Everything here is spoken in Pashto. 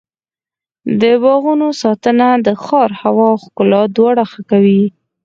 د باغونو ساتنه د ښار هوا او ښکلا دواړه ښه کوي.